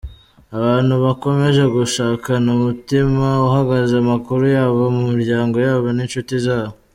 Abantu bakomeje gushakana umutima uhagaze amakuru y’abo mu miryango yabo n’inshuti zabo.